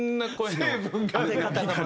成分がね。